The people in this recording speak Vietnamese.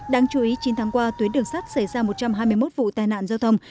đáng chú ý chín tháng qua tuyến đường sắt xảy ra một trăm hai mươi một vụ tai nạn giao thông